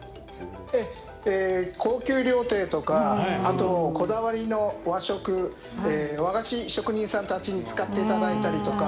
高級料亭とか、あとこだわりの和食和菓子職人さんたちに使っていただいたりとか。